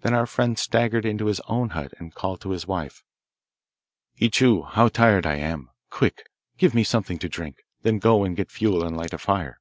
Then our friend staggered into his own hut and called to his wife: 'Ichou! how tired I am! Quick, give me something to drink. Then go and get fuel and light a fire.